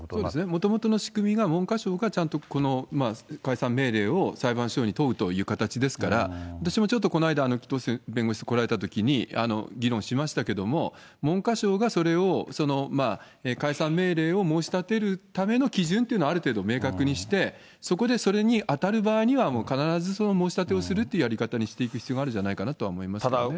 もともとの仕組みが、文科省がちゃんとこの解散命令を裁判所に問うという形ですから、私もちょっとこの間、紀藤弁護士が来られたときに議論しましたけども、文科省がそれを、解散命令を申し立てるための基準というのは、ある程度明確にして、そこでそれに当たる場合には必ず申し立てをするっていうやり方にしていく必要があるんじゃないかなとは思いますけれどもね。